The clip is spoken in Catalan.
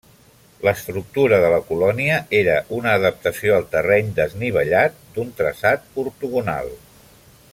L'estructura de la colònia era una adaptació al terreny desnivellat d'un traçat ortogonal.